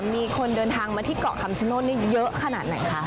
มีคนเดินทางมาที่เกาะคำชโนธนี่เยอะขนาดไหนคะ